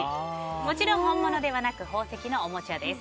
もちろん本物ではなく宝石のおもちゃです。